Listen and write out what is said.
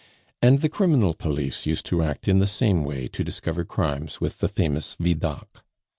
And the criminal police used to act in the same way to discover crimes with the famous Vidocq.